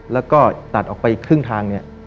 แล้วก็ตัดออกไปครึ่งทางเนี่ย